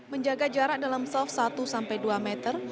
menjaga jarak dalam self satu sampai dua meter